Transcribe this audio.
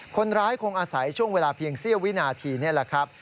คนร้ายคงอาศัยช่วงเวลาเพียงเสี้ยววินาทีนี่แหละครับ